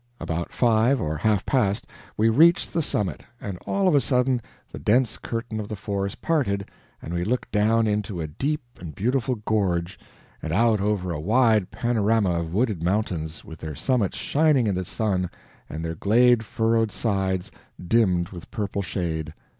About five or half past we reached the summit, and all of a sudden the dense curtain of the forest parted and we looked down into a deep and beautiful gorge and out over a wide panorama of wooded mountains with their summits shining in the sun and their glade furrowed sides dimmed with purple shade.